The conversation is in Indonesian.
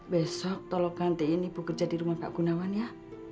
besok tolong gantiin ibu kerja di rumah pak gunawan ya